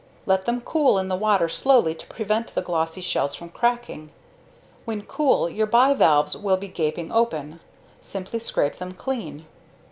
Let them cool in the water slowly to prevent the glossy shells from cracking. When cool, your bivalves will be gaping open; simply scrape them clean.